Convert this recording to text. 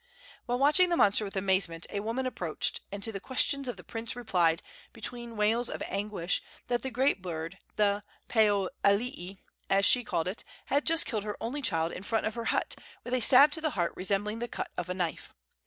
While watching the monster with amazement, a woman approached, and to the questions of the prince replied, between wails of anguish, that the great bird the Pueoalii, as she called it had just killed her only child in front of her hut, with a stab to the heart resembling the cut of a knife.